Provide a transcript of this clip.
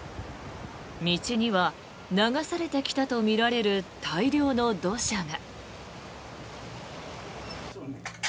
道には、流されてきたとみられる大量の土砂が。